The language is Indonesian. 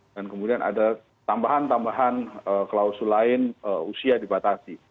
dan kemudian ada tambahan tambahan klausul lain usia dibatasi